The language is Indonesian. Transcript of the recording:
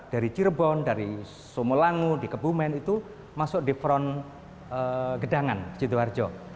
dari cirebon dari somolangu di kebumen itu masuk di front gedangan sidoarjo